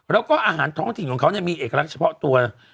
แล้วก็อาหารท้องถิ่นของเขามีเอกลักษณ์เฉพาะตัว